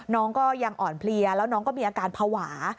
น้องก็ยังอ่อนเพลียแล้วน้องก็มีอาการภาวะ